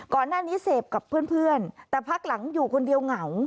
ก่อนหน้านี้เสพกับเพื่อนแต่พักหลังอยู่คนเดียวเหงา